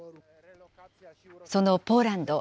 そのポーランド。